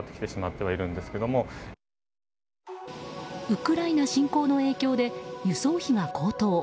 ウクライナ侵攻の影響で輸送費が高騰。